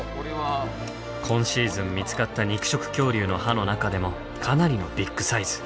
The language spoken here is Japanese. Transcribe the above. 今シーズン見つかった肉食恐竜の歯の中でもかなりのビッグサイズ。